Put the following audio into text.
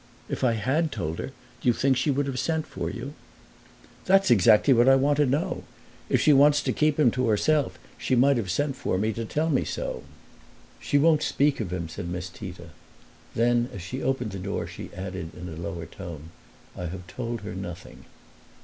"If I had told her do you think she would have sent for you?" "That's exactly what I want to know. If she wants to keep him to herself she might have sent for me to tell me so." "She won't speak of him," said Miss Tita. Then as she opened the door she added in a lower tone, "I have told her nothing."